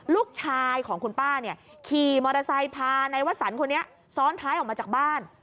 ลูกชายของคุณป้าเนี่ยขี่มอเตอร์ไซค์พานายวสันคนนี้ซ้อนท้ายออกมาจากบ้าน